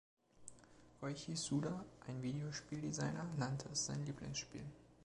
Goichi Suda, ein Videospieldesigner, nannte es sein Lieblingsspiel.